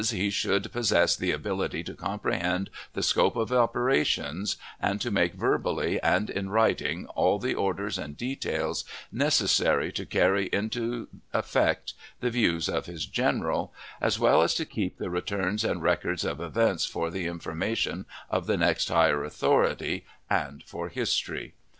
he should possess the ability to comprehend the scope of operations, and to make verbally and in writing all the orders and details necessary to carry into effect the views of his general, as well as to keep the returns and records of events for the information of the next higher authority, and for history.